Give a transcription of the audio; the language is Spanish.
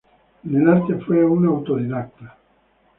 En el arte fue un autodidacta.